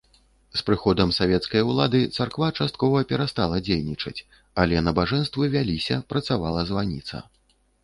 З прыходам савецкай улады царква часткова перастала дзейнічаць, але набажэнствы вяліся, працавала званіца.